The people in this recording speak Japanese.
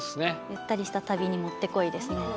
ゆったりした旅にもってこいですね。